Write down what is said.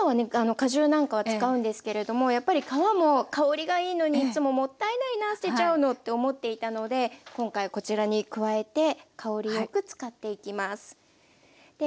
果汁なんかは使うんですけれどもやっぱり皮も香りがいいのにいつももったいないなあ捨てちゃうのって思っていたので今回こちらに加えて香りよく使っていきます。